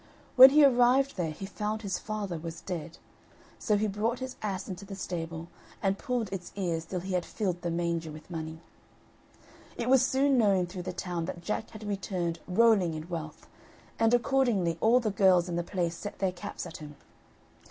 When he arrived there he found his father was dead, so he brought his ass into the stable, and pulled its ears till he had filled the manger with money. It was soon known through the town that Jack had returned rolling in wealth, and accordingly all the girls in the place set their caps at him.